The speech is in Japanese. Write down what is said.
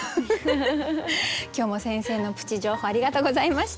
今日も先生のプチ情報ありがとうございました。